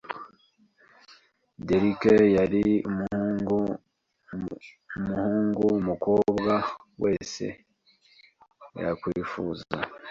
Derrick yari umuhungu umukobwa wese yakwifuza